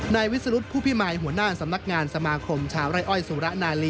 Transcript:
นายวิสรุธผู้พิมายหัวหน้าสำนักงานสมาคมชาวไร่อ้อยสุระนาลี